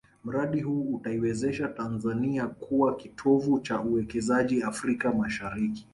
Mradi huu utaiwezesha Tanzania kuwa kitovu cha uwekezaji Afrika Mashariki